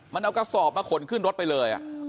มันเอากระสอบมาขนขึ้นรถไปเลย